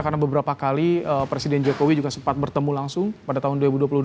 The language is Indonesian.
karena beberapa kali presiden jokowi juga sempat bertemu langsung pada tahun dua ribu dua puluh dua